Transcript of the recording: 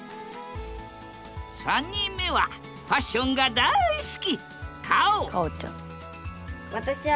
３人目はファッションが大好き！